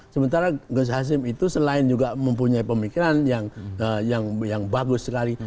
sementara gus hasim itu selain juga mempunyai pemikiran yang bagus sekali